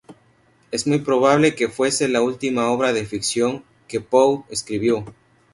Es muy probable que fuese la última obra de ficción que Poe escribió.